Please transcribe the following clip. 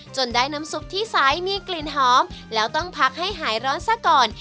ได้น้ำซุปที่ใสมีกลิ่นหอมแล้วต้องพักให้หายร้อนซะก่อน